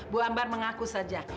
bu ambar mengaku saja